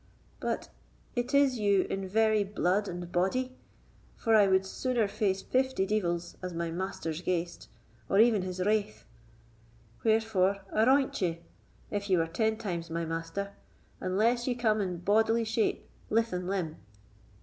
"But it is you in very blood and body? For I would sooner face fifty deevils as my master's ghaist, or even his wraith; wherefore, aroint ye, if ye were ten times my master, unless ye come in bodily shape, lith and limb."